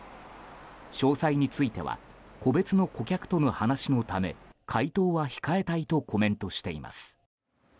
詳細については個別の顧客との話のため回答は控えたいとコメントしています。